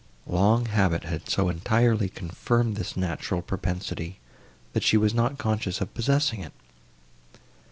Long habit had so entirely confirmed this natural propensity, that she was not conscious of possessing it.